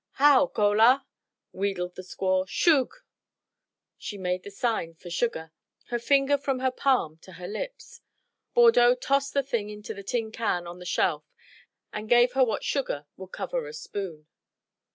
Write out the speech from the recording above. "How, cola!" wheedled the squaw. "Shoog!" She made the sign for sugar, her finger from her palm to her lips. Bordeaux tossed the thing into the tin can on the shelf and gave her what sugar would cover a spoon.